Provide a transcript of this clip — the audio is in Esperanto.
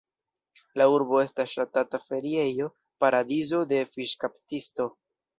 La urbo estas ŝatata feriejo, paradizo de fiŝkaptistoj.